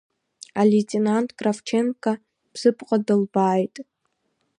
Алеитенант Кравченко Бзыԥҟа дылбааит.